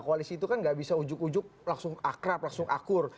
koalisi itu kan nggak bisa ujug ujug langsung akrab langsung akur